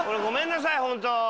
ごめんなさい本当。